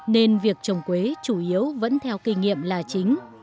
nên việc trồng quế chủ yếu vẫn theo kinh nghiệm là chính